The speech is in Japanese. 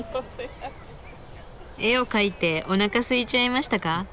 絵を描いておなかすいちゃいましたか？